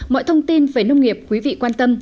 mọi thông tin về nông nghiệp quý vị quan tâm